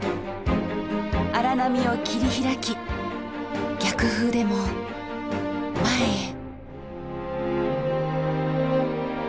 荒波を切り拓き逆風でも前へ！